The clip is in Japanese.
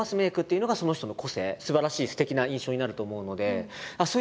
すばらしいすてきな印象になると思うので。